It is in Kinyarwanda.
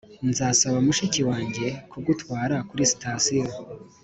nzasaba mushiki wanjye kugutwara kuri sitasiyo.